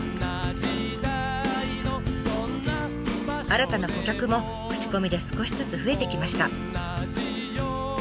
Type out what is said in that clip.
新たな顧客も口コミで少しずつ増えてきました。